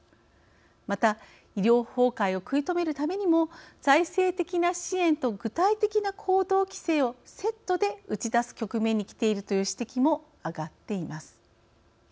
また医療崩壊を食い止めるためにも財政的な支援と具体的な行動規制をセットで打ち出す局面にきているという指摘も上がっています。